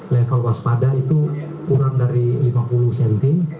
level waspada itu kurang dari lima puluh cm